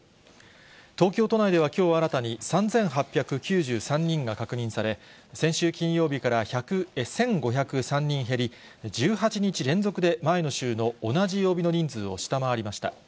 東京都内ではきょう新たに３８９３人が確認され、先週金曜日から１５０３人減り、１８日連続で前の週の同じ曜日の人数を下回りました。